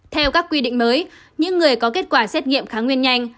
theo các quy định mới những người có kết quả xét nghiệm kháng nguyên nhanh